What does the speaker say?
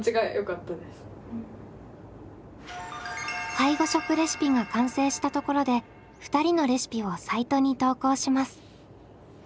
介護食レシピが完成したところで２人のレシピをサイトに投稿します。